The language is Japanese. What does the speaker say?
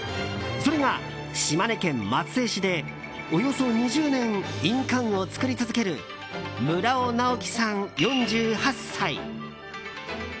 それが、島根県松江市でおよそ２０年、印鑑を作り続ける村尾直樹さん、４８歳。